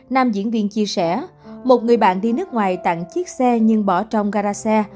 nam diễn viên chia sẻ một người bạn đi nước ngoài tặng chiếc xe nhưng bỏ trong gara xe